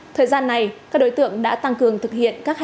thời gian này các đối tượng đã tăng cường thực hiện các hành vi